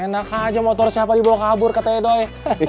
enak aja motor siapa dibawa kabur katanya doi